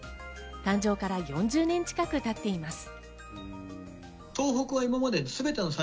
誕生から４０年近く経っています。